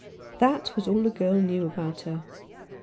That was all the girl knew about her.